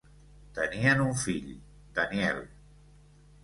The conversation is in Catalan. Tenien un fill, Daniel.